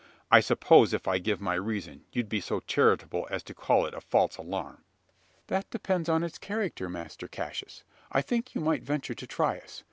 "I suppose if I gave my reason, you'd be so charitable as to call it a false alarm!" "That depends on its character, Master Cassius. I think you might venture to try us.